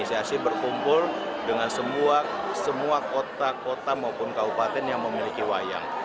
asosiasi berkumpul dengan semua kota kota maupun kabupaten yang memiliki wayang